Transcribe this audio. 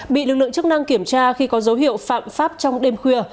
bị lực lượng chức năng kiểm tra khi có dấu hiệu phạm pháp trong đêm khuya